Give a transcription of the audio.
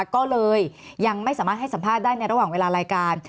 ก็เลยยังไม่สามารถให้สัมภาษณ์ได้ในระหว่างเวลารายการ